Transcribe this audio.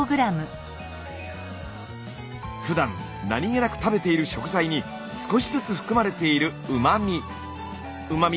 ふだん何気なく食べている食材に少しずつ含まれているうま味。